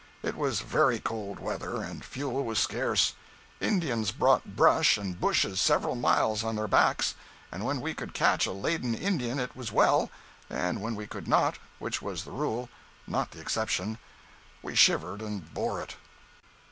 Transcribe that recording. It was very cold weather and fuel was scarce. Indians brought brush and bushes several miles on their backs; and when we could catch a laden Indian it was well—and when we could not (which was the rule, not the exception), we shivered and bore it.